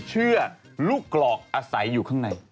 เชื่อลูกกรอกอาศัยอยู่ข้างใน